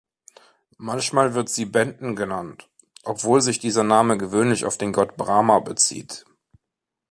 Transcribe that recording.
Manchmal wird sie Benten genannt, obwohl sich dieser Name gewöhnlich auf den Gott Brahma bezieht.